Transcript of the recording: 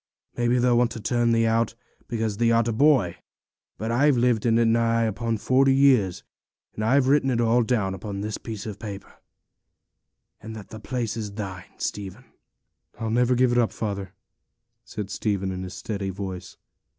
Maybe they'll want to turn thee out, because thee art a boy; but I've lived in it nigh upon forty years, and I've written it all down upon this piece of paper, and that the place is thine, Stephen.' 'I'll never give it up, father,' said Stephen, in his steady voice.